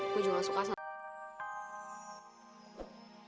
gue juga gak suka sama